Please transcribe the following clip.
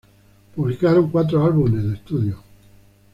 Publicaron cuatro álbumes de estudio.